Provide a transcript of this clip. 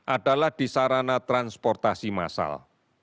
adalah di sarana transportasi massal